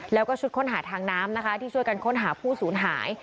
แล้วก็ชุดค้นหาทางน้ำนะคะที่ช่วยกันค้นหาผู้สูญหาย